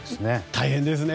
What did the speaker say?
大変ですね。